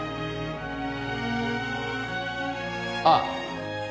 ああ！